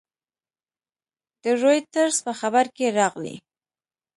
د رویټرز په خبر کې راغلي